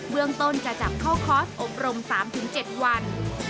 เรื่องต้นจะจับเข้าคอร์สอบรม๓๗วัน